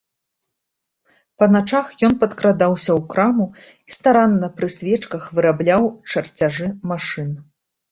Па начах ён падкрадаўся ў краму і старанна пры свечках вырабляў чарцяжы машын.